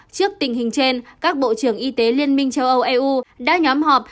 trước tình hình trên các bộ trưởng y tế liên minh châu âu eu đã nhóm họp